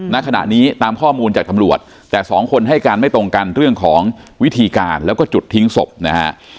ณขณะนี้ตามข้อมูลจากตำรวจแต่สองคนให้การไม่ตรงกันเรื่องของวิธีการแล้วก็จุดทิ้งศพนะฮะ